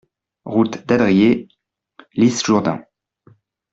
Route d'Adriers, L'Isle-Jourdain